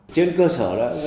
trên cơ sở đó